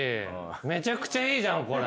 めちゃくちゃいいじゃんこれ。